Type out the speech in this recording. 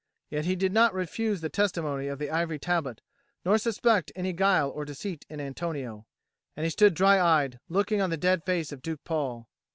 Yet he did not refuse the testimony of the ivory tablet nor suspect any guile or deceit in Antonio. And he stood dry eyed, looking on the dead face of Duke Paul.